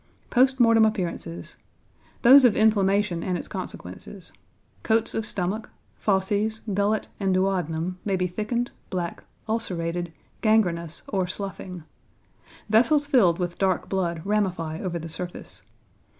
Post Mortem Appearances. Those of inflammation and its consequences. Coats of stomach, fauces, gullet, and duodenum, may be thickened, black, ulcerated, gangrenous, or sloughing. Vessels filled with dark blood ramify over the surface.